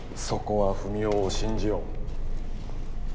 そこは文雄を信じよう。